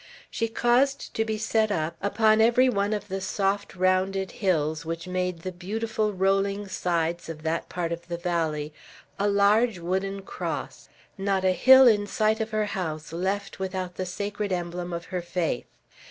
She caused to be set up, upon every one of the soft rounded hills which made the beautiful rolling sides of that part of the valley, a large wooden cross; not a hill in sight of her house left without the sacred emblem of her faith.